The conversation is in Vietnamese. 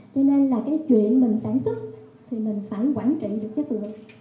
cho nên là cái chuyện mình sản xuất thì mình phải quản trị được chất lượng